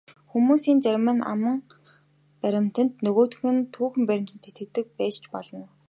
Хүмүүсийн зарим нь аман баримтад, нөгөө хэсэг нь түүхэн баримтад итгэдэг байж ч болно.